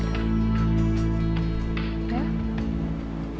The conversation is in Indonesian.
jangan dibiarkan berlarut larut